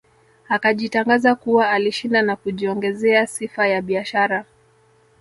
Akajitangaza kuwa alishinda na kujiongezea sifa ya biashara